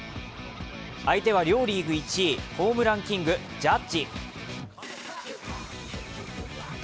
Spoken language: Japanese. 相手は両リーグ１位ホームランキング・ジャッジ。